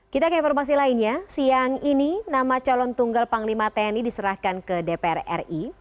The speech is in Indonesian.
kita ke informasi lainnya siang ini nama calon tunggal panglima tni diserahkan ke dpr ri